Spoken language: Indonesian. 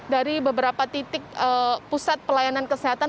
dari beberapa titik pusat pelayanan kesehatan